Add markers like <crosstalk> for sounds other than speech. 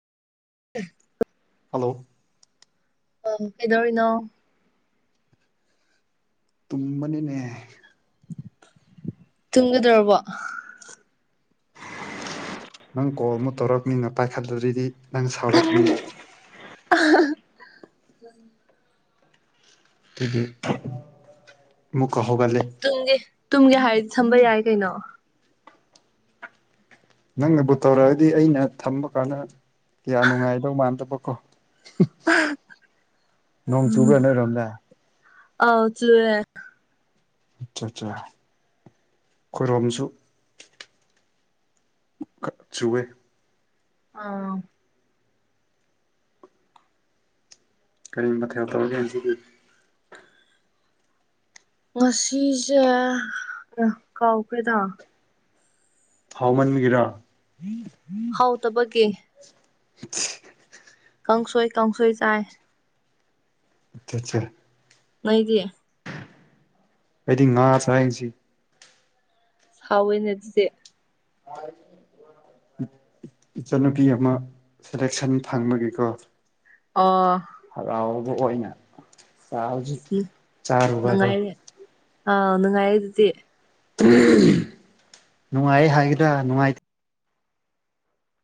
<inaudible> hello ꯑ ꯀꯩꯗꯧꯔꯤꯅꯣ ꯇꯃꯅꯤꯅꯦ ꯇꯨꯝꯒꯗꯧꯔꯕꯣ ꯅꯪ ꯀꯣꯜ ꯑꯃꯨꯛ ꯇꯧꯔꯛꯅꯤꯅ ꯄꯥꯏꯈꯠꯂꯔꯤꯗꯤ ꯅꯪ ꯁꯥꯎꯔꯛꯅꯤꯕ <inaudible> ꯑꯩꯗꯒꯤ ꯇꯒꯤ ꯇꯨꯝꯒꯦ ꯍꯥꯏꯔꯗꯤ ꯁꯝꯕ ꯌꯥꯏ ꯀꯩꯅꯣ ꯅꯪꯅꯕꯨ ꯇꯧꯔꯛꯑꯗꯤ ꯑꯩꯅ ꯊꯝꯕ ꯀꯥꯟꯗ ꯀꯌꯥ ꯅꯨꯡꯉꯥꯏꯗꯧ ꯃꯥꯟꯗꯕꯀꯣ ꯅꯣꯡꯣꯡ ꯆꯨꯕꯅꯔꯣꯗ ꯑꯥꯎ ꯆꯋꯦ ꯑꯠꯆꯥ ꯑꯠꯆꯥ ꯑꯩꯔꯣꯝꯁꯨ ꯈ ꯆꯨꯋꯦ ꯑꯥ ꯀꯔꯤ ꯃꯊꯦ ꯎ ꯇꯧꯁꯤ ꯉꯁꯤꯁꯦ ꯀꯥꯎꯈꯦꯗ ꯍꯋꯥꯃꯟ ꯃꯤꯒꯔꯥ ꯍꯥꯎ ꯇꯕꯒꯤ <inaudible> ꯀꯪꯁꯣꯏ ꯀ ꯀꯥꯡꯪꯁꯣꯏ ꯆꯥꯏ ꯑꯆꯥ ꯃꯗꯤꯌꯦ ꯑꯩꯗꯤ ꯉꯥꯥꯁ ꯍꯥꯏꯁꯤ ꯍꯥꯎꯋꯦꯅ ꯑꯗꯨꯗꯤ ꯑ ꯏꯆꯟꯅꯨꯄꯤ ꯑꯃ ꯁꯦꯂꯦꯛꯁꯟ ꯐꯪꯕꯒꯤꯀꯣ ꯑꯣ ꯍꯔꯥꯎꯕ ꯑꯣꯏꯅ ꯆ ꯍꯧꯖꯤꯛ ꯆꯥꯔꯨꯕꯗꯣ ꯑ ꯑꯣ ꯉꯥꯏꯗꯤꯇꯦ ꯅꯨꯡꯉꯥꯏ ꯍꯥꯏꯒꯗ꯭ꯔꯥ ꯅꯨꯡꯉꯥꯏꯇ